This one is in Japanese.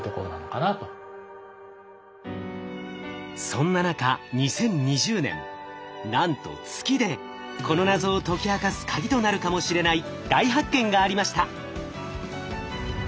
そんな中２０２０年なんと月でこの謎を解き明かすカギとなるかもしれない大発見がありました。